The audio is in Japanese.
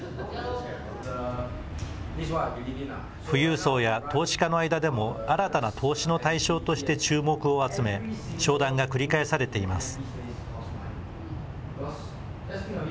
富裕層や投資家の間でも、新たな投資の対象として注目を集め、商談が繰り返されています。